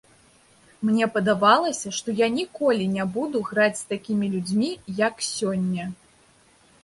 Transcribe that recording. Мне падавалася, што я ніколі не буду граць з такімі людзьмі, як сёння.